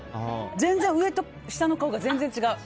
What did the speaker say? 全然、上と下の顔が違う。